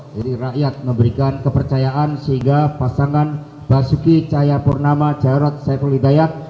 jadi rakyat memberikan kepercayaan sehingga pasangan basuki cahayapurnama jarod saiful hidayat